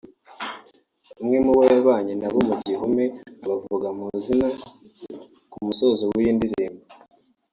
Bamwe mu bo yabanye na bo mu gihome abavuga mu mazina ku musozo w’iyi ndirimbo